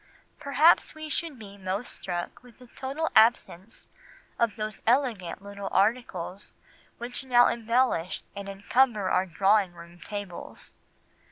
"Perhaps we should be most struck with the total absence of those elegant little articles which now embellish and encumber our drawing room tables.